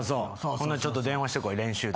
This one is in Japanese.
ほなちょっと電話してこい練習で。